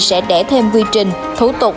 sẽ đẻ thêm quy trình thủ tục